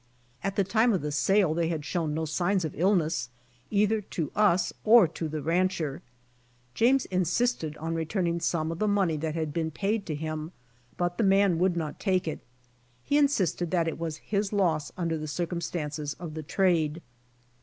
At the time of the sale they had shown no signs of illness, either to us or to the rancher^ James insisted on returning some of the money that had been paid to him but the man would not take it. He insisted that it was his loss under the circumstances of the trade.